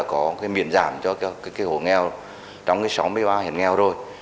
đã có cái miền giảm cho cái hồ nghèo trong cái sáu mươi ba huyện nghèo rồi